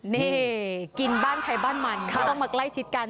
นี่กินบ้านใครบ้านมันไม่ต้องมาใกล้ชิดกัน